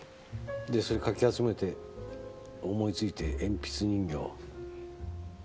でそれかき集めて思いついて鉛筆人形を。